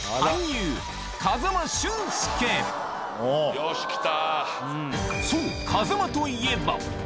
よしきた。